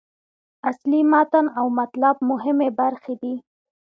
اصلي متن او مطلب مهمې برخې دي.